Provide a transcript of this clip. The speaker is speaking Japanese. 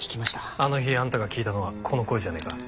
あの日あんたが聞いたのはこの声じゃねえか？